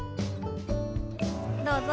どうぞ。